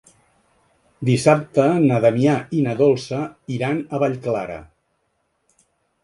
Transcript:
Dissabte na Damià i na Dolça iran a Vallclara.